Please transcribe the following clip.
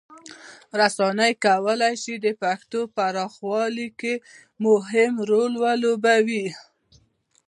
رسنۍ کولی سي د پښتو پراخولو کې مهم رول ولوبوي.